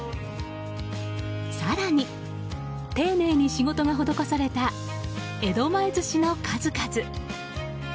更に、丁寧に仕事が施された江戸前寿司の数々。